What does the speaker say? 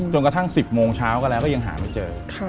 กระทั่ง๑๐โมงเช้าก็แล้วก็ยังหาไม่เจอ